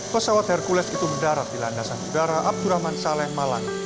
pesawat hercules itu mendarat di landasan udara abdurrahman saleh malang